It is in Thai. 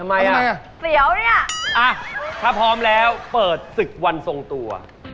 อ่ะถ้าพร้อมแล้วเปิดศึกวันทรงตัว